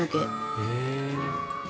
へえ。